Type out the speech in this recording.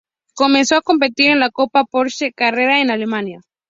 Comenzó a competir en la Copa Porsche Carrera en Alemania.